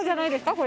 これ。